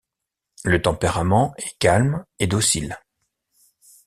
Le tempérament est calme et docile.